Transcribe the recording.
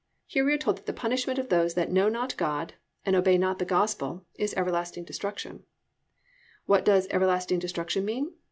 "+ Here we are told that the punishment of those that know not God and obey not the gospel is "everlasting destruction." What does "everlasting destruction" mean?